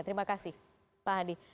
terima kasih pak hadi